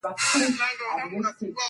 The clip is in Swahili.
miaka ijao watakuja sema waondoshwe pale